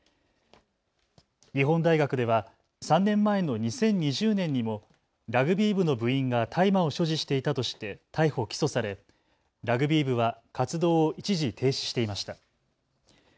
日本大学では３年前の２０２０年にもラグビー部の部員が大麻を所持していたとして逮捕・起訴されラグビー部は活動を一時、停止していました。